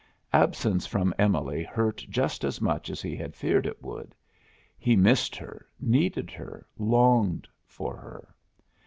Absence from Emily hurt just as much as he had feared it would. He missed her, needed her, longed for her.